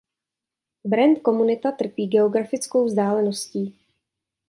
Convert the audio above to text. Brand komunita trpí geografickou vzdáleností.